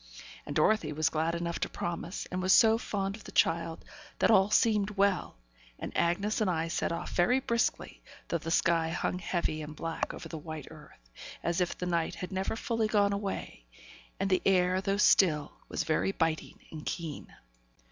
And Dorothy was glad enough to promise, and was so fond of the child, that all seemed well; and Bessy and I set off very briskly, though the sky hung heavy and black over the white earth, as if the night had never fully gone away, and the air, though still, was very biting and keen.